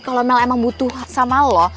kalo mel emang butuh sama lo